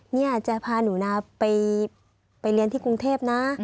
เนี่ยจะพาหนูนะไปเรียนที่กรุงเทพนะ